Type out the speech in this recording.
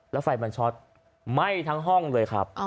แล้วไฟมันช็อตไหม้ทั้งห้องเลยครับ